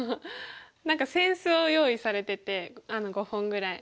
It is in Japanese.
何か扇子を用意されてて５本ぐらい。